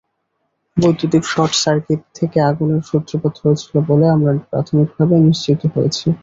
বৈদ্যুতিক শর্টসার্কিট থেকে আগুনের সূত্রপাত হয়েছিল বলে আমরা প্রাথমিকভাবে নিশ্চিত হয়েছি।